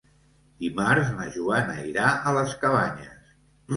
Dimarts na Joana irà a les Cabanyes.